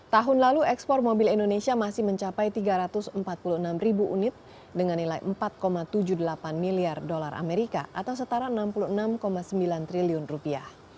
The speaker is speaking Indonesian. tahun lalu ekspor mobil indonesia masih mencapai tiga ratus empat puluh enam ribu unit dengan nilai empat tujuh puluh delapan miliar dolar amerika atau setara enam puluh enam sembilan triliun rupiah